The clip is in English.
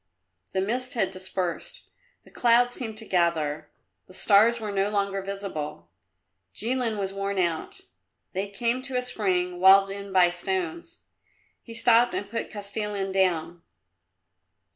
The mist had dispersed; the clouds seemed to gather; the stars were no longer visible. Jilin was worn out. They came to a spring walled in by stones. He stopped and put Kostilin down.